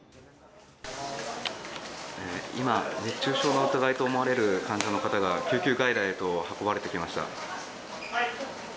今、熱中症の疑いと思われる患者が救急外来へと運ばれてきました。